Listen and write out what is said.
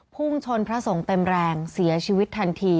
พุ่งชนพระสงฆ์เต็มแรงเสียชีวิตทันที